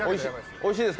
おいしいです。